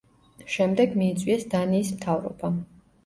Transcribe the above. შემდეგ მიიწვიეს დანიის მთავრობა.